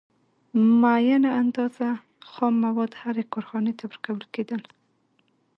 معینه اندازه خام مواد هرې کارخانې ته ورکول کېدل